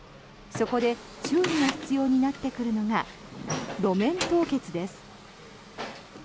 そこで注意が必要になってくるのが路面凍結です。